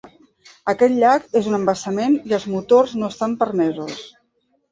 Aquest llac és un embassament i els motors no estan permesos.